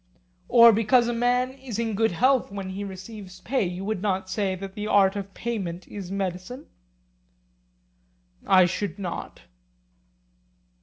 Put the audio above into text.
Or because a man is in good health when he receives pay you would not say that the art of payment is medicine? I should not.